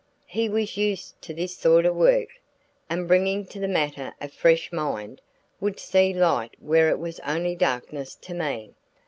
He was used to this sort of work, and bringing to the matter a fresh mind, would see light where it was only darkness to me.